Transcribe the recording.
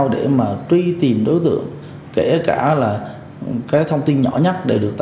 lấy tiền của người ta